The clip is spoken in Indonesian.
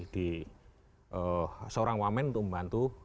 seorang wamen untuk membantu